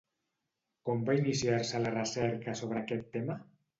Com va iniciar-se la recerca sobre aquest tema?